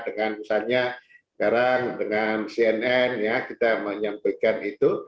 dengan misalnya sekarang dengan cnn ya kita menyampaikan itu